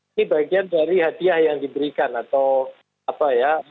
ini bagian dari hadiah yang diberikan atau apa ya